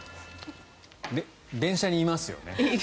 電車にいますよね。